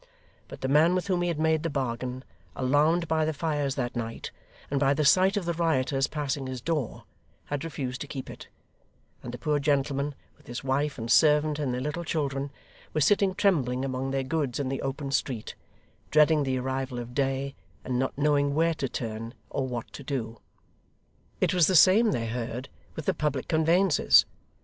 But the man with whom he made the bargain, alarmed by the fires that night, and by the sight of the rioters passing his door, had refused to keep it: and the poor gentleman, with his wife and servant and their little children, were sitting trembling among their goods in the open street, dreading the arrival of day and not knowing where to turn or what to do. It was the same, they heard, with the public conveyances.